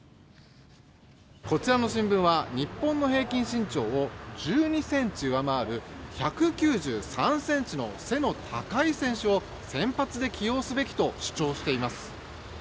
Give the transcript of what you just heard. こちらの新聞は日本の平均身長を１２ｃｍ上回る１９３ｃｍの背の高い選手を先発で起用すべきと主張しています。